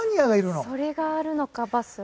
それがあるのかバスは。